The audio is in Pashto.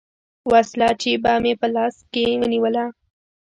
وسله چې به مې په لاس کښې ونېوله.